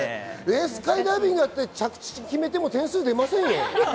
スカイダイビングやって着地決めても点数出ませんよ。